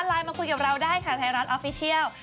มาคุยกับเราได้ค่ะไทยรัฐออฟฟิเชียล